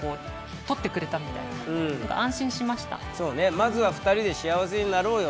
まずは２人で幸せになろうよ。